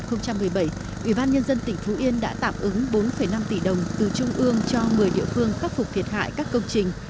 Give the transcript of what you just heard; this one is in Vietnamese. ủy ban nhân dân tỉnh phú yên đã tạm ứng bốn năm tỷ đồng từ trung ương cho một mươi địa phương khắc phục thiệt hại các công trình